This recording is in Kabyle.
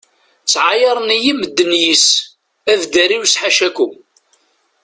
Ttɛayaren medden yis-i, abder-iw s ḥacakum.